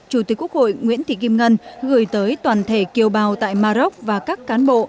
chủ tịch quốc hội nguyễn thị kim ngân gửi tới toàn thể kiều bào tại maroc và các cán bộ